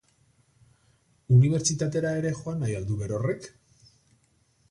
Unibertsitatera ere joan nahi al du berorrek?